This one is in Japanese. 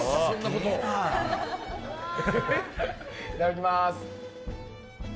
いただきます。